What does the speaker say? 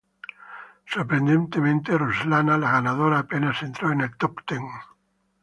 Sorprendentemente, Ruslana, la ganadora, apenas entró en el Top Ten.